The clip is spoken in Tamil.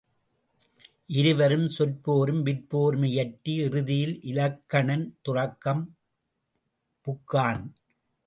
இருவரும் சொற்போரும் விற்போரும் இயற்றி இறுதியில் இலக்கணன் துறக்கம் புக்கான்.